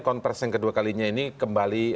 konversi yang kedua kalinya ini kembali